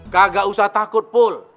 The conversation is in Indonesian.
kagak usah takut pul